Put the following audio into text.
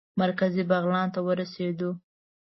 مرکزي بغلان ته ورسېدو.